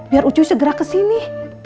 biar ucuy segera kesini